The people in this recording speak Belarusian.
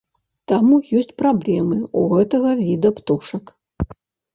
Таму ёсць праблемы ў гэтага віда птушак.